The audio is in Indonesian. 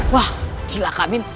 wah gila kamin